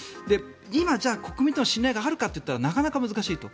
今、じゃあ国民との信頼があるかといったらなかなか難しいと。